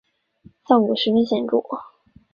效果十分显著